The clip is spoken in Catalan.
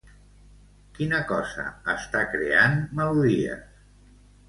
Quina cosa està creant melodies?